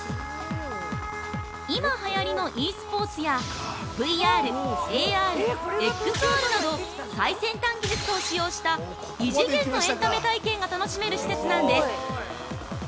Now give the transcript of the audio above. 今はやりのｅスポーツやＶＲ、ＡＲ、ＸＲなど最先端技術を使用した異次元のエンタメ体験が楽しめる施設なんです。